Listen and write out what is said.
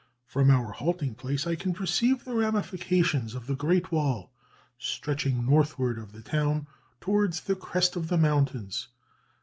From our halting place I can perceive the ramifications of the Great Wall, stretching northward of the town towards the crest of the mountains.